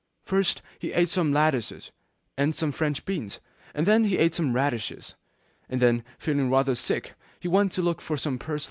First he ate some lettuces and some French beans; and then he ate some radishes; And then, feeling rather sick, he went to look for some parsley.